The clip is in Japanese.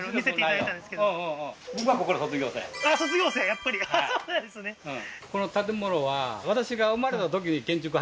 やっぱりそうなんですねあっ